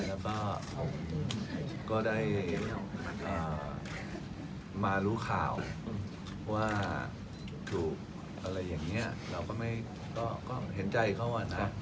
แล้วก็ผมก็ได้มารู้ข่าวว่าถูกอะไรอย่างนี้เราก็เห็นใจเขาอ่ะนะ